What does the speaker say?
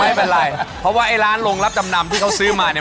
ไม่เป็นไรเพราะว่าไอ้ร้านโรงรับจำนำที่เขาซื้อมาเนี่ย